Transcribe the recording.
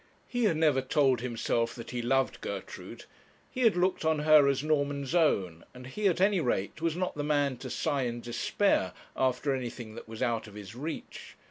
He had never told himself that he loved Gertrude; he had looked on her as Norman's own, and he, at any rate, was not the man to sigh in despair after anything that was out of his reach.